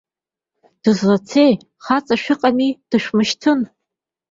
Дызлацеи, хаҵа шәыҟами, дышәмышьҭын!